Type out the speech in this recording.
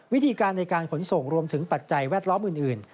วิธีการในการขนส่งรวมถึงปัจจัยแวดล้อมอื่น